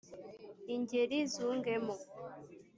ingeri zungemo